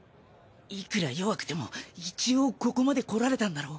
いくら弱くても一応ここまで来られたんだろ？